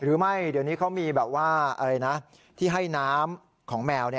หรือไม่เดี๋ยวนี้เขามีแบบว่าอะไรนะที่ให้น้ำของแมว